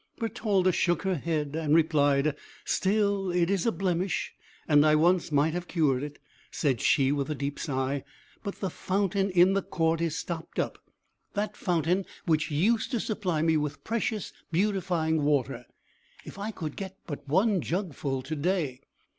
Bertalda shook her head, and replied, "Still it is a blemish, and I once might have cured it!" said she with a deep sigh. "But the fountain in the court is stopped up that fountain which used to supply me with precious, beautifying water. If I could but get one jugful to day!"